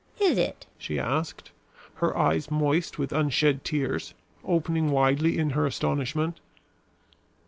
"Is it?" she asked, her eyes moist with un shed tears, opening widely in her astonishment.